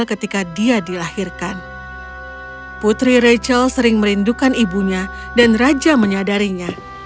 ketika dia dilahirkan putri rachel sering merindukan ibunya dan raja menyadarinya